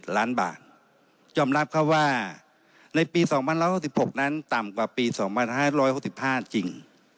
ล้านบาทยอมรับครับว่าในปี๒๑๖๖นั้นต่ำกว่าปี๒๕๖๕จริง